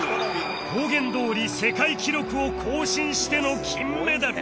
公言どおり世界記録を更新しての金メダル